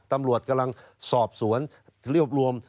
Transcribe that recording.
ตำรวจกำลังสอบสวนรวบรวม